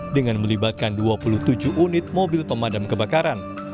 dengan melibatkan dua puluh tujuh unit mobil pemadam kebakaran